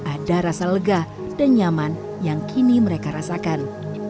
ada rasa lega dan nyaman yang kini mereka rasakan